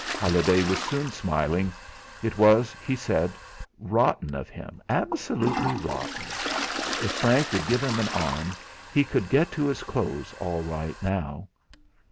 Halliday was soon smiling. It was he said rotten of him, absolutely rotten! If Frank would give him an arm, he could get to his clothes all right now.